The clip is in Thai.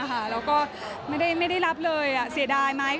แล้วก็ไม่ได้รับเลยเสียดายไหม